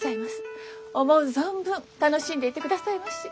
思う存分楽しんでいってくださいまし。